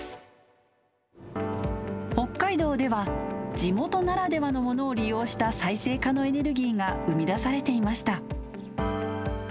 北海道では地元ならではのものを利用した再生可能エネルギーが生み出されていました